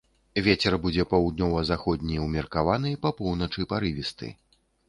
Вецер будзе паўднёва-заходні ўмеркаваны, па поўначы парывісты.